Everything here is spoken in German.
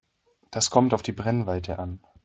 Das kommt auf die Brennweite an.